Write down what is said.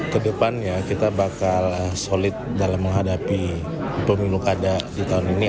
kedepannya kita bakal solid dalam menghadapi pemilu kada di tahun ini